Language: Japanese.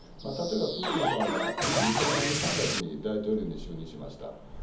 例えば、プーチンさんは２０００年の３月に大統領に就任しました。